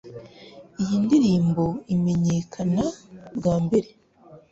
Iyi ndirimbo imenyekana bwa mbere